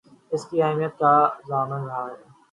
اس کی اہمیت کا ضامن رہا ہے